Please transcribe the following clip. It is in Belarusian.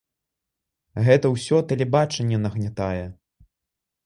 Гэта ўсё тэлебачанне нагнятае.